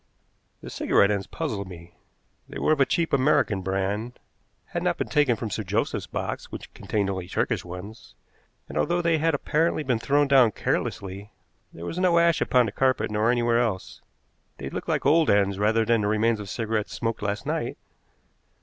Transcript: The cigarette ends puzzled me. They were of a cheap American brand, had not been taken from Sir Joseph's box, which contained only Turkish ones, and, although they had apparently been thrown down carelessly, there was no ash upon the carpet nor anywhere else. They looked like old ends rather than the remains of cigarettes smoked last night.